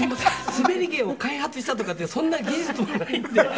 スベり芸を開発したとかってそんな技術もないんで」